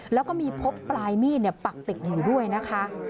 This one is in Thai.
แล้วก็มีพบปลายมีดปักติดอยู่ด้วยนะคะ